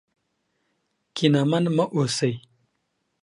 کینمن مه اوسئ.